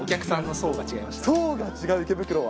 層が違う、池袋は。